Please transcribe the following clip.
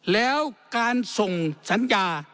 แล้วการส่งสัญญา